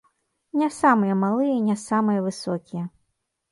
Не самыя малыя і не самыя высокія.